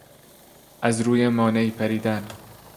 از روی مانعی پریدن